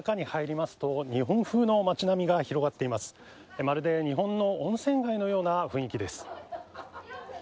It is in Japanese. まるで日本の温泉街のような雰囲気です。